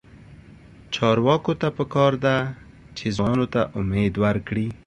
چارواکو ته پکار ده چې، ځوانانو ته امید ورکړي.